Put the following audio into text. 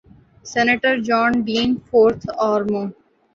senator John Dean fourth آر مو